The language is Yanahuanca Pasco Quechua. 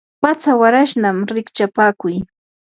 patsa warashnam rikchapakuy.